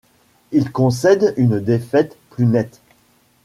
Il concède une défaite plus nette.